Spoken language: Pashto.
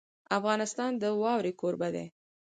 افغانستان د واوره کوربه دی.